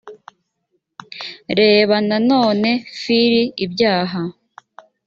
reba nanone fili ibyaha